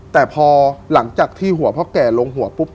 แต่พอหลังจากที่หัวพ่อแก่ลงหัวปุ๊บ